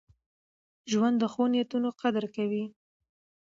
ژوند د ښو نیتونو قدر کوي.